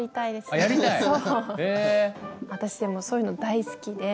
私そういうの大好きで。